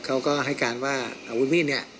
เขาก็ให้การว่าอาวุธมีดเนี่ย